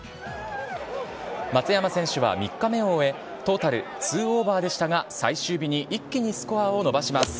松山選手は３日目を終え、トータル２オーバーでしたが、最終日に一気にスコアを伸ばします。